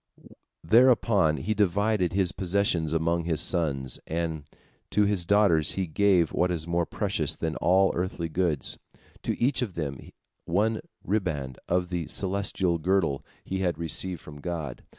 Thereupon he divided his possessions among his sons, and to his daughters he gave what is more precious than all earthly goods, to each of them one riband of the celestial girdle he had received from God.